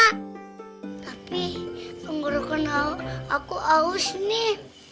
tapi mengurangkan aku aus nih